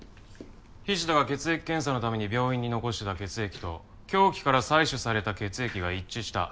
菱田が血液検査のために病院に残してた血液と凶器から採取された血液が一致した。